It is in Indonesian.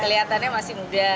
kelihatannya masih muda